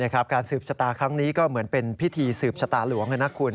การสืบชะตาครั้งนี้ก็เหมือนเป็นพิธีสืบชะตาหลวง